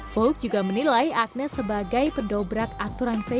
vogue juga menilai agnes sebagai pedobrak aturan visual